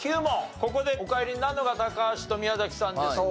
ここでお帰りになるのが高橋と宮崎さんですが。